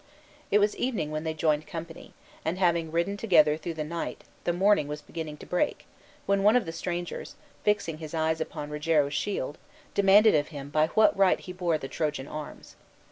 It was evening when they joined company, and having ridden together through the night the morning was beginning to break, when one of the strangers, fixing his eyes upon Rogero's shield, demanded of him by what right he bore the Trojan arms.